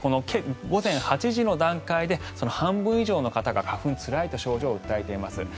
午前８時の段階で半分以上の方が花粉つらいと症状を訴えています。